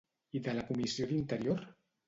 I de la Comissió d'Interior?